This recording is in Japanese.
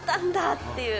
っていう。